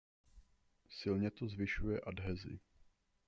Silně to zvyšuje adhezi.